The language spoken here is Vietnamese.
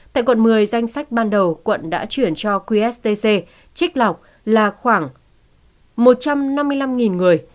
tại quận một mươi danh sách ban đầu quận đã chuyển cho qst trích lọc là khoảng một trăm năm mươi năm người